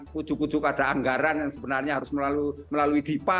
kucuk kucuk ada anggaran yang sebenarnya harus melalui dipa